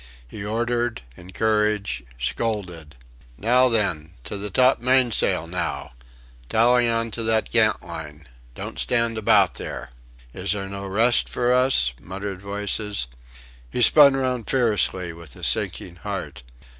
He ordered, encouraged, scolded. "Now then to the main topsail now! Tally on to that gantline. Don't stand about there!" "Is there no rest for us?" muttered voices. He spun round fiercely, with a sinking heart.